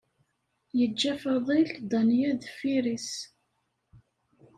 Yeǧǧa Faḍil Danya deffir-is.